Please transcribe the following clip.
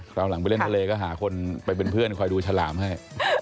ราวหลังไปเล่นทะเลก็หาคนไปเป็นเพื่อนคอยดูฉลามให้